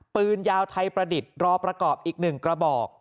ปืนยาวไทยประดิษฐ์รอประกอบอีก๑กระบอก